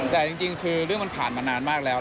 แต่จริงคือเรื่องมันผ่านมานานมากแล้ว